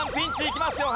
いきますよ